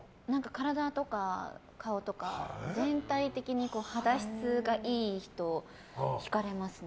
体とか、顔とか全体的に肌質がいい人、引かれますね。